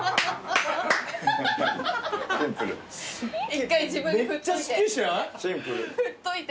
一回自分で振っといて。